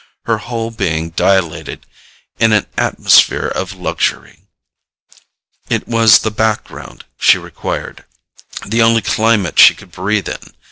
Her whole being dilated in an atmosphere of luxury; it was the background she required, the only climate she could breathe in.